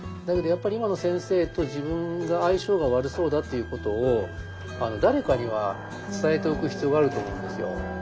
やっぱり「今の先生と自分が相性が悪そうだ」っていうことを誰かには伝えておく必要があると思うんですよ。